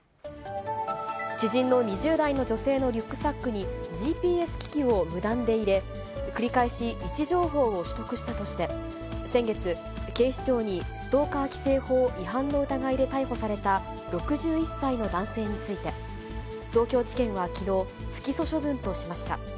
知人の２０代の女性のリュックサックに、ＧＰＳ機器を無断で入れ、繰り返し位置情報を取得したとして、先月、警視庁にストーカー規制法違反の疑いで逮捕された６１歳の男性について、東京地検はきのう、不起訴処分としました。